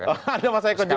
oh ada mas eko juga